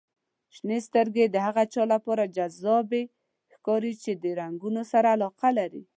• شنې سترګې د هغه چا لپاره جذابې ښکاري چې د رنګونو سره علاقه لري.